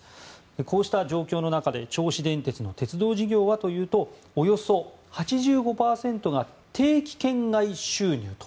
こうした状況の中で銚子電鉄の鉄道事業はというとおよそ８５％が定期券外収入と。